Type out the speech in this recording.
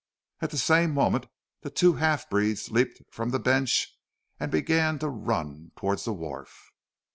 At the same moment the two half breeds leapt from the bench and began to run towards the wharf.